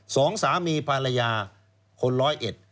สองสามีภรรยาคนร้อยเอ็ด